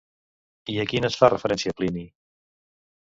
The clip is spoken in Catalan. I a quines fa referència Plini?